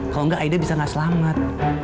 kalo enggak aida bisa gak selamat